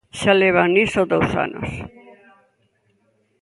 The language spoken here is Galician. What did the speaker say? Xa levan niso dous anos.